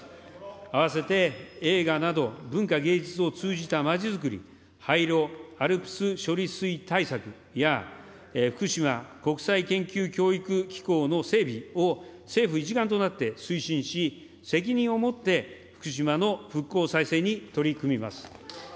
併せて映画など、文化芸術を通じた街づくり、廃炉・アルプス処理水対策や福島国際研究教育機構の整備を政府一丸となって推進し、責任を持って福島の復興再生に取り組みます。